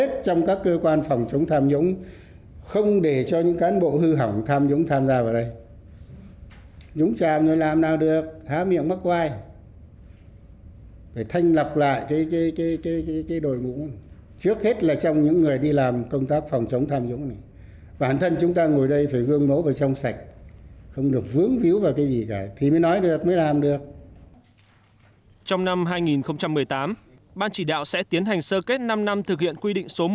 trong năm hai nghìn một mươi tám ban chỉ đạo sẽ tiến hành sơ kết năm năm thực hiện quy định số năm